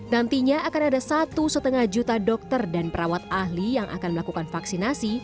nantinya akan ada satu lima juta dokter dan perawat ahli yang akan melakukan vaksinasi